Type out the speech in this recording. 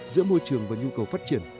giữa môi trường và nhu cầu phát triển